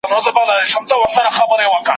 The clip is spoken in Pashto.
دا کلکین په صابون ښه پاک کړه.